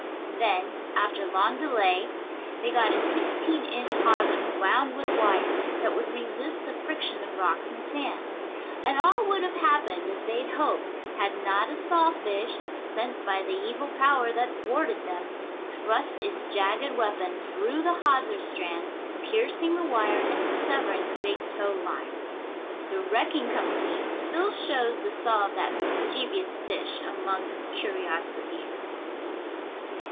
Then, after long delay, they got a sixteen inch hawser, wound with wire, that would resist the friction of rocks and sand, and all would have happened as they hoped had not a sawfish, sent by the evil power that thwarted them, thrust its jagged weapon through the hawser strands, piercing the wire and severing the big tow line. The wrecking company still shows the saw of that mischievous fish among its curiosities.